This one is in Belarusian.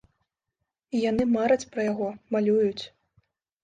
Яны мараць пра яго, малююць.